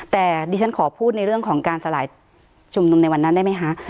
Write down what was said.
แต่ดิฉันขอพูดในเรื่องของการสลายชุมนุมในวันนั้นได้ไหมคะ